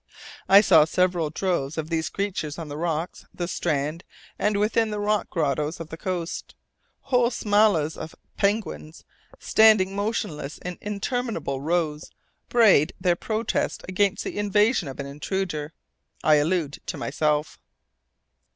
I saw several droves of these creatures on the rocks, the strand, and within the rock grottoes of the coast. Whole "smalas" of penguins, standing motionless in interminable rows, brayed their protest against the invasion of an intruder I allude to myself.